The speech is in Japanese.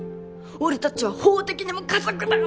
俺たちは法的にも家族だろ！